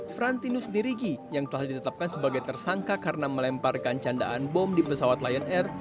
frantinus dirigi yang telah ditetapkan sebagai tersangka karena melemparkan candaan bom di pesawat lion air